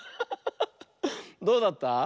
どうだった？